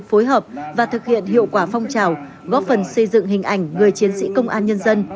phối hợp và thực hiện hiệu quả phong trào góp phần xây dựng hình ảnh người chiến sĩ công an nhân dân